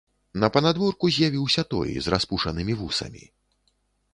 На панадворку з'явіўся той, з распушанымі вусамі.